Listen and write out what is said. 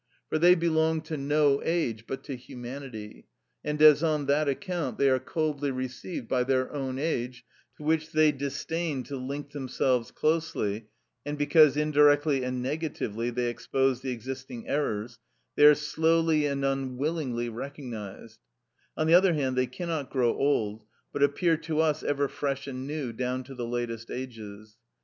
For they belong to no age, but to humanity, and as on that account they are coldly received by their own age, to which they disdain to link themselves closely, and because indirectly and negatively they expose the existing errors, they are slowly and unwillingly recognised; on the other hand, they cannot grow old, but appear to us ever fresh and new down to the latest ages.